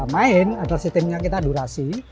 main adalah sistemnya kita durasi